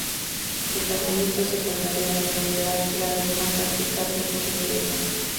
Protagonista secundario en las novelas "La luz fantástica", "Tiempos interesantes".